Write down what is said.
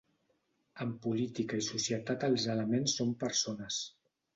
En política i societat els elements són persones.